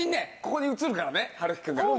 ここに写るからね陽喜くんが。